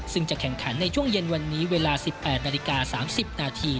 ซึ่งจะแข่งขันในช่วงเย็นวันนี้เวลา๑๘นาฬิกา๓๐นาที